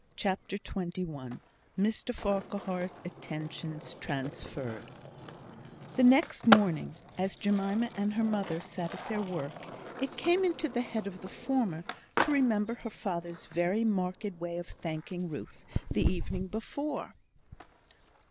CHAPTER XXI Mr Farquhar's Attentions Transferred The next morning, as Jemima and her mother sat at their work, it came into the head of the former to remember her father's very marked way of thanking Ruth the evening before.